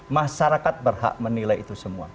masyarakat berhak menilai itu semua